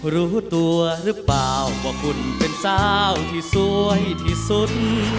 รู้ตัวหรือเปล่าว่าคุณเป็นสาวที่สวยที่สุด